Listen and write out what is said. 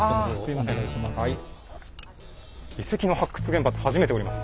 遺跡の発掘現場って初めて下ります。